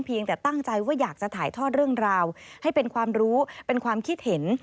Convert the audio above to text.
ยังแต่ตั้งใจว่าอยากจะถ่ายทอดเรื่องราวให้เป็นความรู้เป็นความคิดเห็น